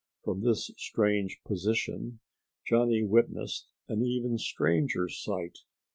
From this strange position Johnny witnessed an even stranger sight.